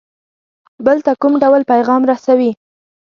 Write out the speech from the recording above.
بل ته کوم ډول پیغام رسوي.